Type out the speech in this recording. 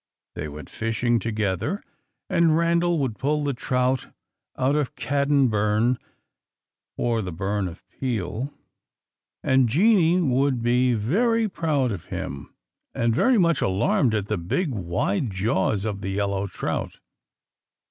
They went fishing together, and Randal would pull the trout out of Caddon Burn, or the Burn of Peel; and Jeanie would be very proud of him, and very much alarmed at the big, wide jaws of the yellow trout.